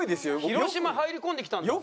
広島入り込んできたんだ。